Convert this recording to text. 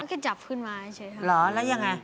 มันก็จับขึ้นมาเฉยครับหรือแล้วยังไง